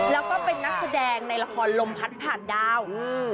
แล้วก็เป็นนักแสดงในละครลมพัดผ่านดาว